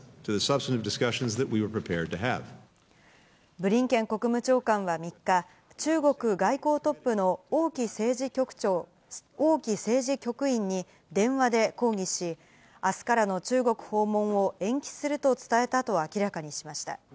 ブリンケン国務長官は３日、中国外交トップの王毅政治局員に、電話で抗議し、あすからの中国訪問を延期すると伝えたと明らかにしました。